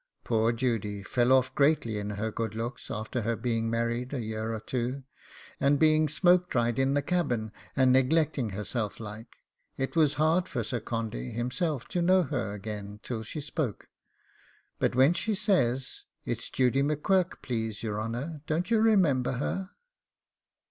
Poor Judy fell off greatly in her good looks after her being married a year or two; and being smoke dried in the cabin, and neglecting herself like, it was hard for Sir Condy himself to know her again till she spoke; but when she says, 'It's Judy M'Quirk, please your honour; don't you remember her?